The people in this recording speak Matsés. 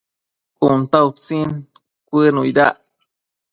Cun ta utsin cuënuidac